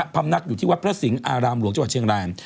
พรรมนักอยู่ที่วัดพระสิงห์อารามโรงจังหวัดเชียงแรม